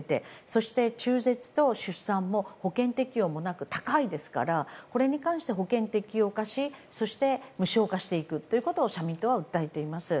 そして中絶と出産も保険適用もなく高いですからこれに関して保険適用化して無償化していくことを社民党は訴えています。